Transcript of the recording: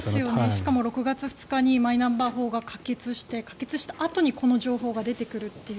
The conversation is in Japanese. しかも６月２日にマイナンバー法が可決して可決したあとにこの情報が出てくるという。